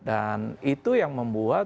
dan itu yang membuat